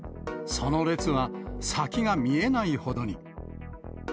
その列は、先が見えないほどに。